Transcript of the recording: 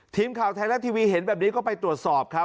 ทีมข่าวไทยรัฐทีวีเห็นแบบนี้ก็ไปตรวจสอบครับ